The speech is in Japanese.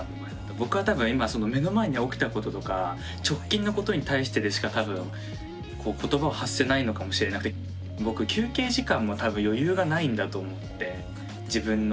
僕は多分目の前に起きたこととか直近のことに対してでしか多分言葉を発せないのかもしれなくて僕休憩時間も多分余裕がないんだと思って自分の。